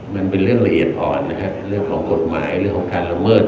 มันเป็นเรื่องละเอียดอ่อนนะครับเรื่องของกฎหมายเรื่องของการละเมิด